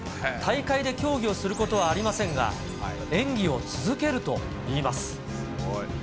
大会で競技をすることはありませんが、演技を続けるといいます。